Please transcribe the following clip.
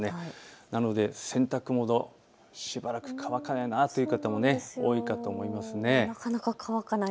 なので洗濯物しばらく乾かないなという方も多いかと思いますね。